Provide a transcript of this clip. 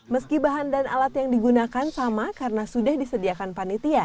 meski bahan dan alat yang digunakan sama karena sudah disediakan panitia